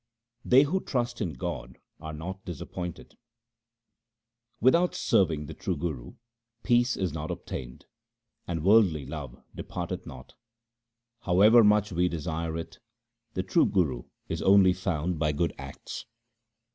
They who trust in God are not disappointed :— Without serving the true Guru peace is not obtained, and worldly love departeth not. However much we desire it, the True Guru is only found by good acts.